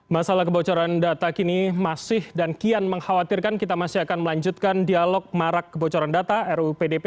masalah kebocoran data kini masih dan kian mengkhawatirkan kita masih akan melanjutkan dialog marak kebocoran data ru pdp